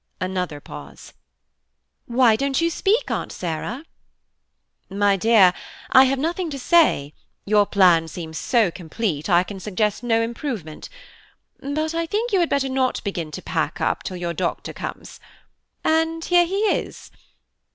Another pause. "Why don't you speak, Aunt Sarah?" "My dear, I have nothing to say, your plan seems so complete, I can suggest no improvement; but I think you had better not begin to pack up till your doctor comes–and here he is.